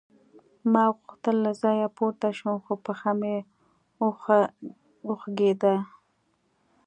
ما غوښتل له ځایه پورته شم خو پښه مې خوږېده